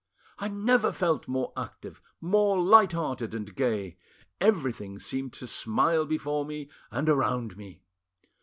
I never felt more active, more light hearted and gay; everything seemed to smile before and around me.